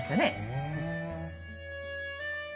へえ。